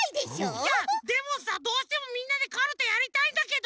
いやでもさどうしてもみんなでカルタやりたいんだけど！